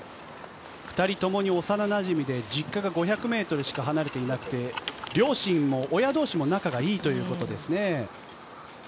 ２人ともに幼なじみで実家が５００ｍしか離れていなくて、両親も親同士も仲がいいということですね。